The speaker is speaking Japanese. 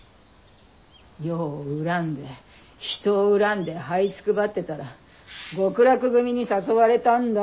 世を恨んで人を恨んではいつくばってたら極楽組に誘われたんだ。